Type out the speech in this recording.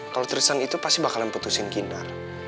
kalo tristan itu pasti bakalan putusin kinar